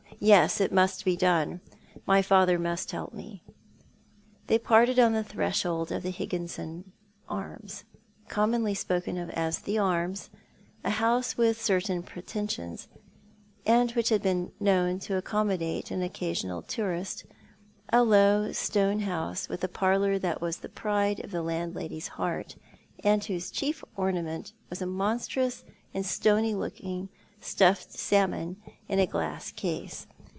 Yes, it must be done. My father must help me." They parted on the threshold of the Higginson Arms, com monly spoken of as the Arms, a house with certain pretensions, and which had been known to accommodate an occasional tourist — a low, stone house, with a parlour that was the pride of the landlady's heart, and whose chief ornament was a monstrous and stony looking stuffed salmon, in a glass case. " Grudged I so vmcJi to die